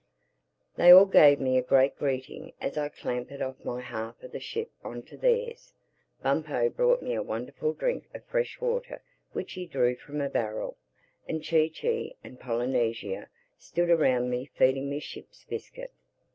THEY all gave me a great greeting as I clambered off my half of the ship on to theirs. Bumpo brought me a wonderful drink of fresh water which he drew from a barrel; and Chee Chee and Polynesia stood around me feeding me ship's biscuit.